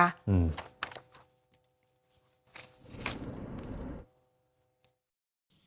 อืม